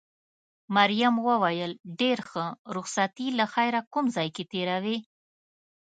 مريم وویل: ډېر ښه، رخصتي له خیره کوم ځای کې تېروې؟